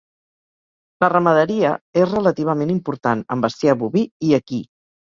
La ramaderia és relativament important, amb bestiar boví i equí.